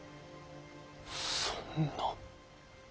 そんな。